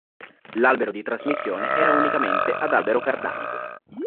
L'albero di trasmissione era unicamente ad albero cardanico.